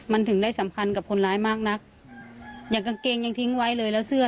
มันถึงได้สำคัญกับคนร้ายมากนักอย่างกางเกงยังทิ้งไว้เลยแล้วเสื้อ